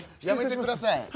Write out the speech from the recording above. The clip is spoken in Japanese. やめてください！